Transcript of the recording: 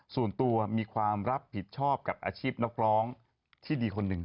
ส่วนตัวมีความรับผิดชอบกับอาชีพนักร้องที่ดีคนหนึ่ง